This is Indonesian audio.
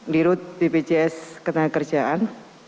dirut bpjs ketengah kerjaan